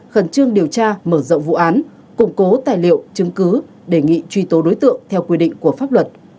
khẩn trương điều tra mở rộng vụ án củng cố tài liệu chứng cứ đề nghị truy tố đối tượng theo quy định của pháp luật